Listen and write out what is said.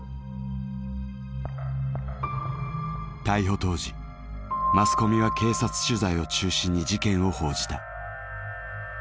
逮捕当時マスコミは警察取材を中心に事件を報じた。